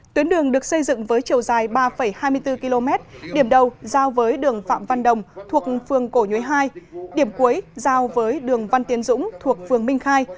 tuyến đường được xây dựng với chiều dài ba hai mươi bốn km điểm đầu giao với đường phạm văn đồng thuộc phường cổ nhuế hai điểm cuối giao với đường văn tiến dũng thuộc phường minh khai